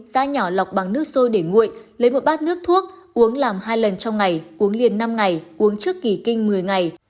da nhỏ lọc bằng nước sôi để nguội lấy một bát nước thuốc uống làm hai lần trong ngày cuống liền năm ngày uống trước kỳ kinh một mươi ngày